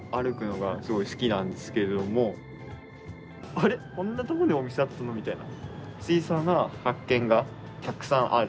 あれ、こんなところにお店があったの？みたいな。